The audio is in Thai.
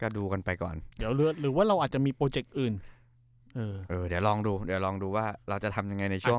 ดูกันไปก่อนเดี๋ยวหรือว่าเราอาจจะมีโปรเจกต์อื่นเออเดี๋ยวลองดูเดี๋ยวลองดูว่าเราจะทำยังไงในช่วง